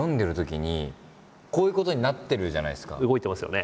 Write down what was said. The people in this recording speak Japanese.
動いてますよね。